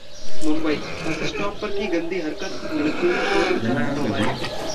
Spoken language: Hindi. मुंबई: बस स्टॉप पर की गंदी हरकत, लड़कियों ने शोर मचा पकड़वाया